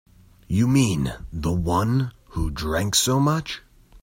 You mean the one who drank so much?